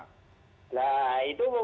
nah itu berarti